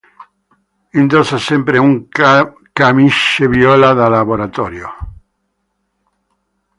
Indossa sempre un camice viola da laboratorio.